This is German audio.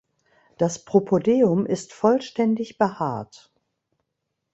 Das Propodeum ist vollständig behaart.